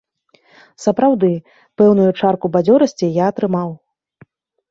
Сапраўды, пэўную чарку бадзёрасці я атрымаў.